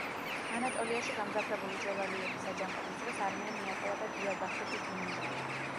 ანატოლიაში გამძაფრებული ჯელალიების აჯანყების დროს არმია მიატოვა და დიარბაქირში მიიმალა.